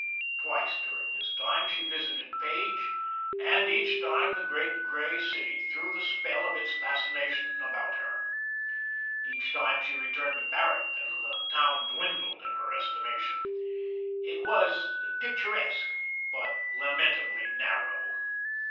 Twice during this time she visited Page, and each time the great grey city threw the spell of its fascination about her. Each time she returned to Barrington the town dwindled in her estimation. It was picturesque, but lamentably narrow.